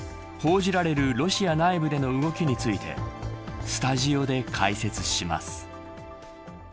報じられるロシア内部での動きについてスタジオで解説します。